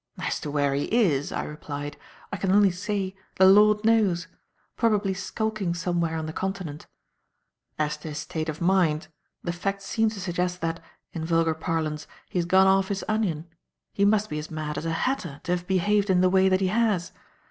"As to where he is," I replied. "I can only say, the Lord knows; probably skulking somewhere on the Continent. As to his state of mind, the facts seem to suggest that, in vulgar parlance, he has gone off his onion. He must be as mad as a hatter to have behaved in the way that he has.